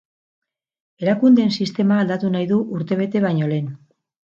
Erakundeen sistema aldatu nahi du urtebete baino lehen.